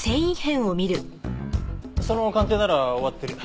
その鑑定なら終わってる。